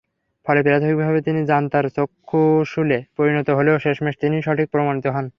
ফলে প্রাথমিকভাবে তিনি জান্তার চক্ষুশূলে পরিণত হলেও শেষমেশ তিনিই সঠিক প্রমাণিত হন।